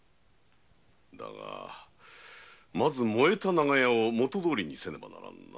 だが燃えた長屋をもとどおりにせねばならぬな。